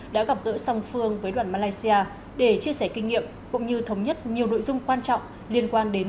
đã gặp gỡ song phương với đoàn malaysia để chia sẻ kinh nghiệm cũng như thống nhất nhiều nội dung quan trọng liên quan đến